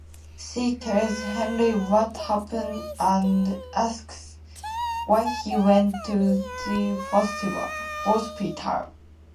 She tells Henry what happened and asks why he went to the hospital.